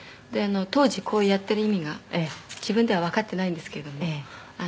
「当時こうやっている意味が自分ではわかっていないんですけれども」